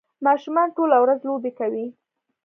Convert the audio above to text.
ماشومان ټوله ورځ لوبې کوي.